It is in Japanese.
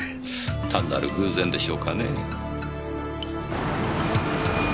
単なる偶然でしょうかねぇ。